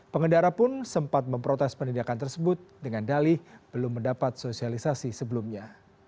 pengendara pun sempat memprotes penindakan tersebut dengan dalih belum mendapat sosialisasi sebelumnya